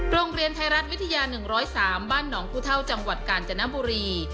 โรงเรียนไทยรัฐวิทยา๑๐๓บ้านหนองผู้เท่าจังหวัดกาญจนบุรี